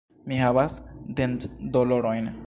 Mi havas dentdolorojn.